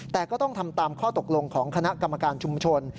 แต่ก็ต้องทำตามข้อตกลงของคณะกรรมการชุมชน